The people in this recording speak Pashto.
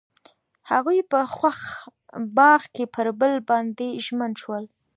هغوی په خوښ باغ کې پر بل باندې ژمن شول.